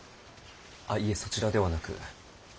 あいえそちらではなく。